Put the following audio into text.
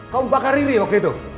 kamu membakar riri waktu itu